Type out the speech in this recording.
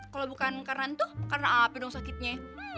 kalau bukan karena itu karena apa dong sakitnya